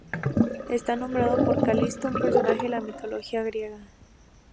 Está nombrado por Calisto, un personaje de la mitología griega.